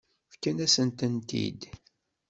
Fkant-asent-tent-id.